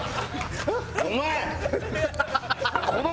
お前！